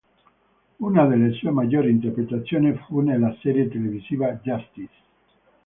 Una delle sue maggiori interpretazioni fu nella serie televisiva "Justice".